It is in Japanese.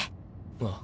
ああ。